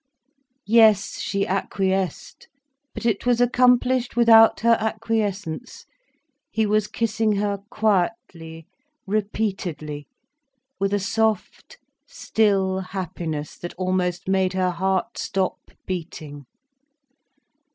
Yes, she acquiesced—but it was accomplished without her acquiescence. He was kissing her quietly, repeatedly, with a soft, still happiness that almost made her heart stop beating.